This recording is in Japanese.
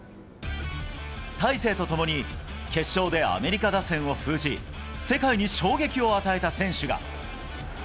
大勢と共に決勝でアメリカ打線を封じ、世界に衝撃を与えた選手が。